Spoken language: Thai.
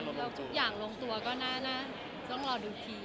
แล้วทุกอย่างลงตัวก็น่าต้องรอดูที